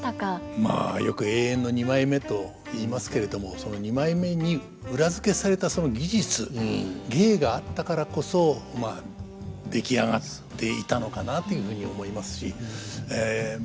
まあよく永遠の二枚目と言いますけれどもその二枚目に裏付けされたその技術芸があったからこそまあ出来上がっていたのかなというふうに思いますしま